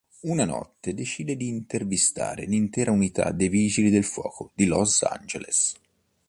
Una notte decide di intervistare l'intera unità dei vigili del fuoco di Los Angeles.